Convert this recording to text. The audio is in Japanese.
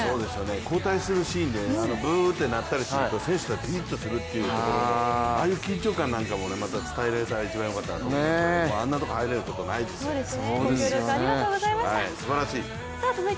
交代するシーンでブーッて鳴ったりすると選手たちピンとするというところもあの緊張感なんかも伝えられたら良かったなと思ってあんなところ入れることないですよ、すばらしい。